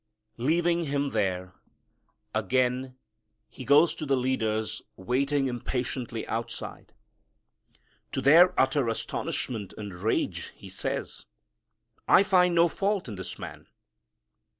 Leaving Him there, again he goes to the leaders waiting impatiently outside. To their utter astonishment and rage he says, "I find no fault in this man."